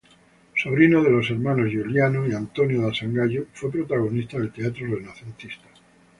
Sobrino de los hermanos Giuliano y Antonio da Sangallo, fue protagonista del teatro renacentista.